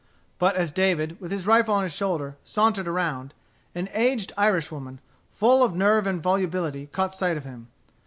But as David, with his rifle on his shoulder, sauntered around, an aged Irish woman, full of nerve and volubility, caught sight of him.